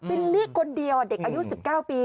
ิลลี่คนเดียวเด็กอายุ๑๙ปี